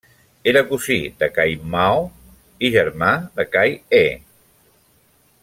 Era cosí de Cai Mao i germà de Cai He.